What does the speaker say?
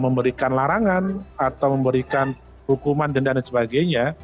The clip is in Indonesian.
memberikan larangan atau memberikan hukuman denda dan sebagainya